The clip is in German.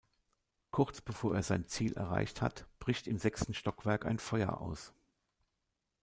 Kurz bevor er sein Ziel erreicht hat, bricht im sechsten Stockwerk ein Feuer aus.